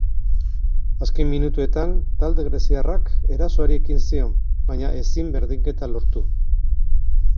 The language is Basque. Azken minutuetan talde greziarrak erasoari ekin zion, baina ezin berdinketa lortu.